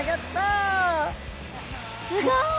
すごい！